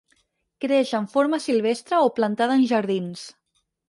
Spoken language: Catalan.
Creix en forma silvestre o plantada en jardins.